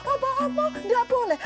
opo opo enggak boleh